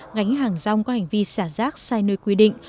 ngánh hàng rong qua hành vi xả rác sai nơi quy định